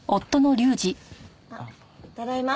あっただいま。